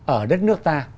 ở đất nước ta